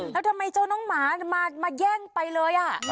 แล้วทำไมเจ้าน้องหมามาแย่งไปเลย